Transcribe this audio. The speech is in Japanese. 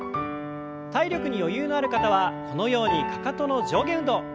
体力に余裕のある方はこのようにかかとの上下運動